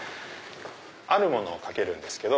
あるものを掛けるんですけど。